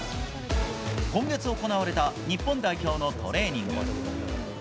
今月行われた日本代表のトレーニング。